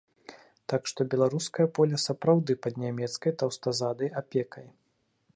Так што беларускае поле сапраўды пад нямецкай таўстазадай апекай.